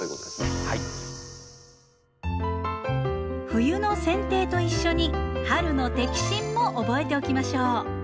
冬のせん定と一緒に春の摘心も覚えておきましょう。